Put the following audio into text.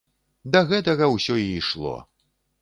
Да гэтага ўсё і ішло!